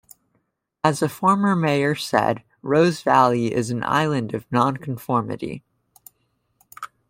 As a former mayor said, Rose Valley is an island of non-conformity.